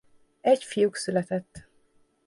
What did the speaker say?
Egy fiuk született.